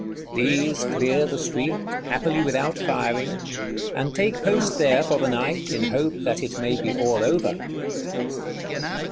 These clear the street, happily without firing; and take post there for the night in hope that it may be all over.